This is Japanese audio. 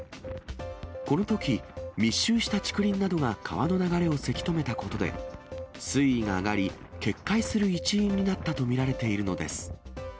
このとき、密集した竹林などが川の流れをせき止めたことで、水位が上がり、決壊する一因になったと見られているのです。